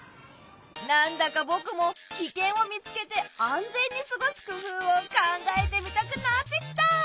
何だかぼくもキケンを見つけて安全に過ごす工夫を考えてみたくなってきた！